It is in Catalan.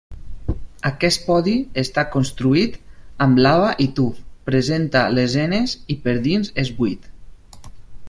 Aquest podi està construït amb lava i tuf, presenta lesenes i per dins és buit.